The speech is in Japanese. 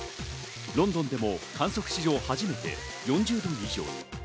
ロンドンでも観測史上、初めて４０度以上に。